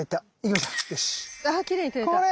あきれいに撮れた。